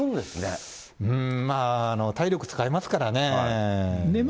まあ、体力使いますからね。